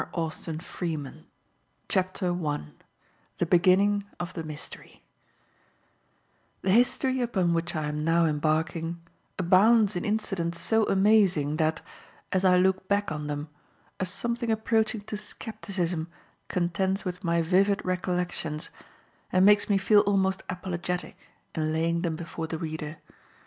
Austin Freeman CHAPTER I THE BEGINNING OF THE MYSTERY THE history upon which I am now embarking abounds in incidents so amazing that, as I look back on them, a something approaching to scepticism contends with my vivid recollections and makes me feel almost apologetic in laying them before the reader.